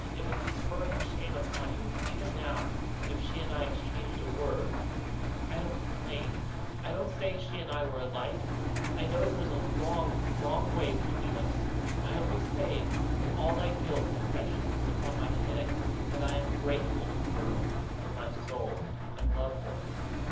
It would be a burning shame upon you, even now, if she and I exchanged a word. I don't complain. I don't say she and I are alike I know there is a long, long way between us. I only say, with all my guilt and wretchedness upon my head, that I am grateful to her from my soul, and love her.